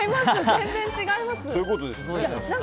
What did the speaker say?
全然違います！